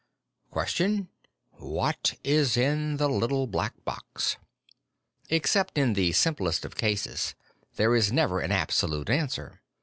Question: What is in the Little Black Box? Except in the simplest of cases, there is never an absolute answer.